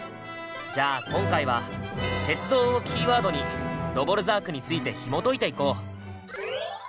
じゃあ今回は鉄道をキーワードにドヴォルザークについてひもといていこう。